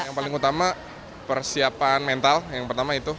yang paling utama persiapan mental yang pertama itu